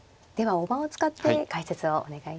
大盤を使って解説をお願いいたします。